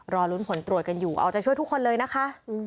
รอลุ้นผลตรวจกันอยู่เอาใจช่วยทุกคนเลยนะคะ